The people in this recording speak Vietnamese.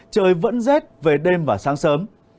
trời vẫn z về đêm và sáng sớm